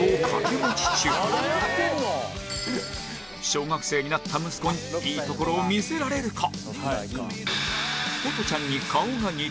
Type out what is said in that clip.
小学生になった息子にいいところを見せられるか？